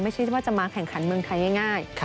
ไม่ใช่ว่าจะมาแข่งขันเมืองไทยง่าย